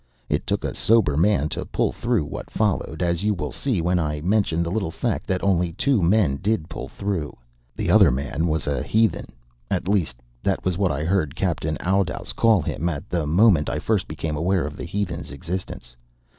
It took a sober man to pull through what followed, as you will agree when I mention the little fact that only two men did pull through. The other man was the heathen at least, that was what I heard Captain Oudouse call him at the moment I first became aware of the heathen's existence.